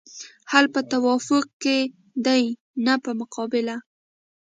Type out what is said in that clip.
حل په توافق کې دی نه په مقابله.